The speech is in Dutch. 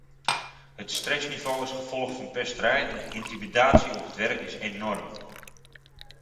Het stressniveau als gevolg van pesterij en intimidatie op het werk is enorm.